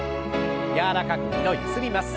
柔らかく２度ゆすります。